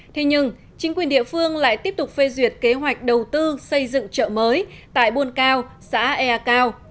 thế nhưng chính quyền địa phương lại tiếp tục phê duyệt kế hoạch đầu tư xây dựng chợ mới tại buôn cao xã ea cao